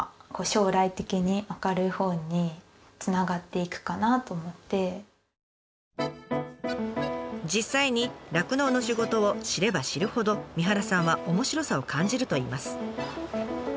結果としては実際に酪農の仕事を知れば知るほど三原さんは面白さを感じるといいます。